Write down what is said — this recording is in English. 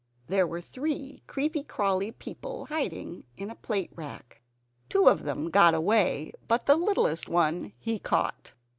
There were three creepy crawly people hiding in the plate rack. Two of them got away; but the littlest one he caught.